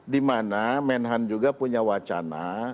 di mana menhan juga punya wacana